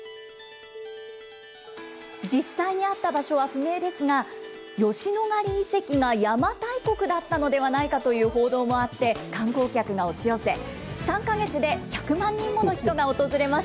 実際にあった場所は不明ですが、吉野ヶ里遺跡が邪馬台国だったのではないかという報道もあって、観光客が押し寄せ、３か月で１０すごい。